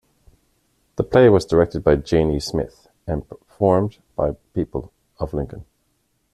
The play was directed by Janie Smith and performed by people of Lincoln.